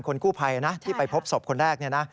คนคู่ภัยที่ไปพบศพคนแรก